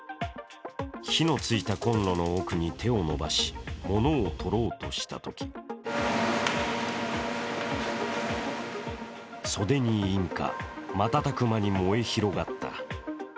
火のついたコンロの奥に手を伸ばし、物を取ろうとしたとき袖に引火、瞬く間に燃え広がった。